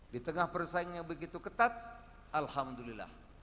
di tengah persaingan yang begitu ketat alhamdulillah